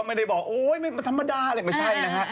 ไม่ได้บอกโอ๊ยธรรมดาไม่ใช่นะครับ